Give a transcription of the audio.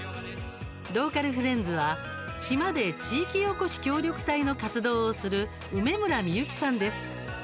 ローカルフレンズは島で地域おこし協力隊の活動をする梅村みゆきさんです。